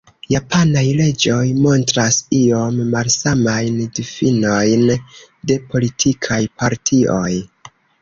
Japanaj leĝoj montras iom malsamajn difinojn de politikaj partioj.